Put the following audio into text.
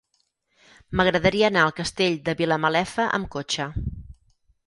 M'agradaria anar al Castell de Vilamalefa amb cotxe.